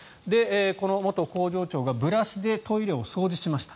この元工場長がブラシでトイレを掃除しました。